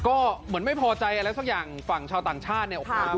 ก็เหมือนไม่พอใจอะไรสักอย่างฝั่งชาติต่างชาติ